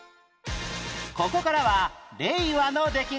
ここからは令和の出来事